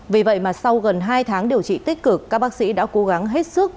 vì vậy mà sau gần hai tháng điều trị tích cực các bác sĩ đã cố gắng hết sức